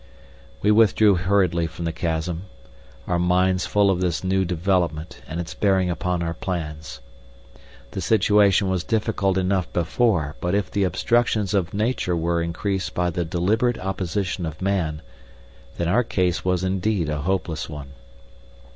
We withdrew hurriedly from the chasm, our minds full of this new development and its bearing upon our plans. The situation was difficult enough before, but if the obstructions of Nature were increased by the deliberate opposition of man, then our case was indeed a hopeless one.